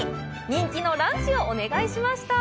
人気のランチをお願いしました。